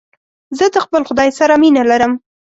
زه د خپل خداى سره مينه لرم.